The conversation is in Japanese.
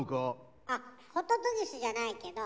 あホトトギスじゃないけど